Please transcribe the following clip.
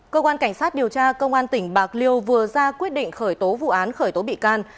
cơ quan cảnh sát điều tra công an tỉnh bạc liêu vừa ra quyết định khởi tố vụ án khởi tố bị can